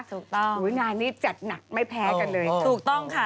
ถูกต้องอุ้ยงานนี้จัดหนักไม่แพ้กันเลยถูกต้องค่ะ